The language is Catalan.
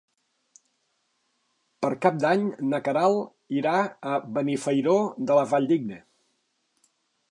Per Cap d'Any na Queralt irà a Benifairó de la Valldigna.